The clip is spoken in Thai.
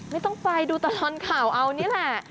ไม่ต้องไปดูตลอดข่าวเอานี่แหละ